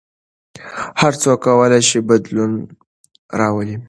هر څوک کولای شي بدلون راولي.